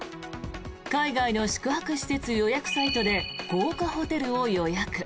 海外の宿泊施設予約サイトで豪華ホテルを予約。